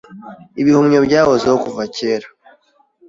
ibihumyo byahozeho kuva kera